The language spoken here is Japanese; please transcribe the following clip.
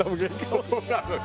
そうなのよ。